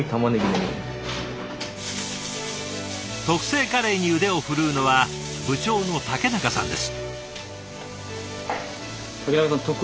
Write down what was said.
特製カレーに腕を振るうのは部長の竹中さんです。